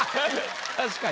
確かに。